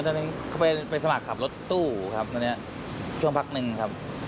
ตอนนี้เขาไปสมัครขับรถตู้ครับตอนนี้ช่วงพักหนึ่งครับ